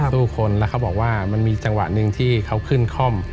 คนแล้วเขาบอกว่ามันมีจังหวะหนึ่งที่เขาขึ้นคล่อม